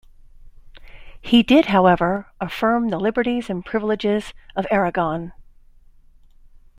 He did, however, affirm the liberties and privileges of Aragon.